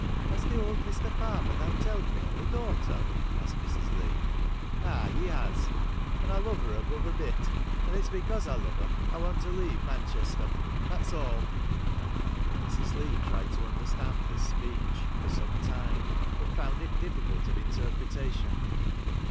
' Has the old Mr. Palmer thou telled me on a daughter ?' asked Mrs. Leigh. ' Aye, he has. And I love her above a bit. And it 's because I love her I want to leave Manchester. That 's all.' Mrs. Leigh tried to understand this speech for some time, but found it difficult of inter pretation.